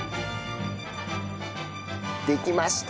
できました。